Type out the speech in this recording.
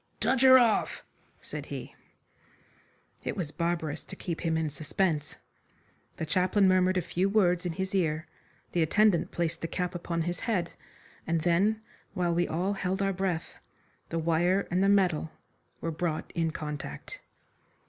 "Touch her off!" said he. It was barbarous to keep him in suspense. The chaplain murmured a few words in his ear, the attendant placed the cap upon his head, and then, while we all held our breath, the wire and the metal were brought in contact.